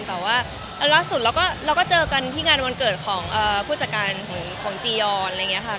แต่ว่าล่าสุดเราก็เจอกันที่งานวันเกิดของผู้จัดการของจียอนอะไรอย่างนี้ค่ะ